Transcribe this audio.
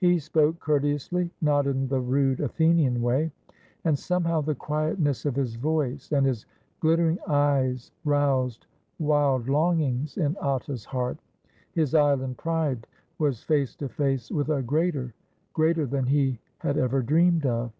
He spoke courteously, not in the rude Athenian way; and somehow the quietness of his voice and his glitter ing eyes roused wild longings in Atta's heart. His island pride was face to face with a greater — greater than he had ever dreamed of.